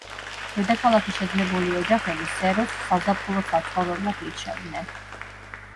დედაქალაქის შეძლებული ოჯახები სეროს საზაფხულო საცხოვრებლად ირჩევდნენ.